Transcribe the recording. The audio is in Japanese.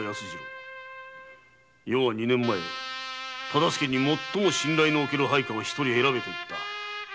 余は二年前忠相に「最も信頼のおける配下を一人選べ」と言った。